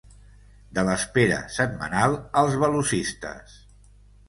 De l’espera setmanal als ‘velocistes’